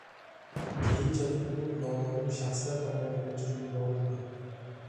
Keyinchalik u nomaʼlum shaxslar tomonidan oʼchirib yuborildi.